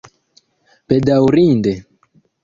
bedaurinde